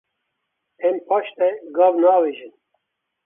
Em paş de gav naavêjin.